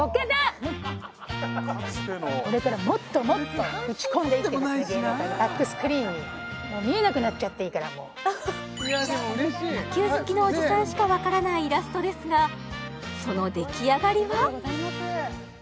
これからもっともっと打ち込んでいってですね芸能界のバックスクリーンにもう見えなくなっちゃっていいからもう野球好きのおじさんしかわからないイラストですがその出来上がりは？